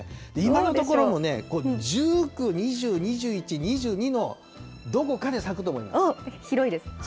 今のところもね、１９、２０、２１、２２のどこかで咲くと思い広いです。